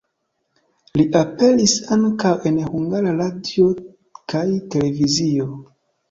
Li aperis ankaŭ en Hungara Radio kaj Televizio.